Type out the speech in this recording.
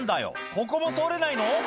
ここも通れないの？」